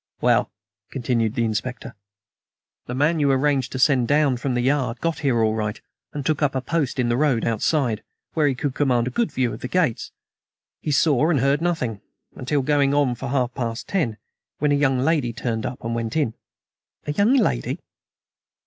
"Well," continued the Inspector, "the man you arranged to send down from the Yard got here all right and took up a post in the road outside, where he could command a good view of the gates. He saw and heard nothing, until going on for half past ten, when a young lady turned up and went in." "A young lady?"